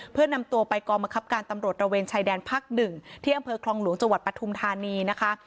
เพื่อนำตัวไปกองบังคับการตำรวจระเวนชายแดนภาค๑ที่อำเภอคลองหลวงจังหวัดปฐุมธานีนะคะ